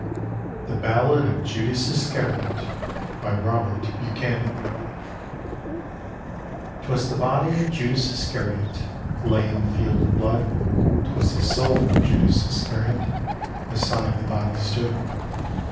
THE BALLAD OF JUDAS ISCARIOT : Robert BUCHANAN "Twas the body of Judas Iscariot Lay in the Field of Blood ; 'Twas the soul of Judas Iscariot Beside the body stood.